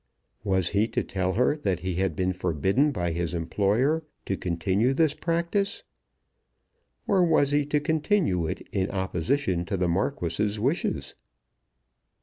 Was he to tell her that he had been forbidden by his employer to continue this practice, or was he to continue it in opposition to the Marquis's wishes?